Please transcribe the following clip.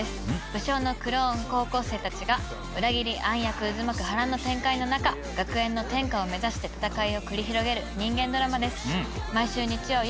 武将のクローン高校生たちが裏切り暗躍渦巻く波乱の展開の中学園の天下を目指して戦いを繰り広げる人間ドラマです。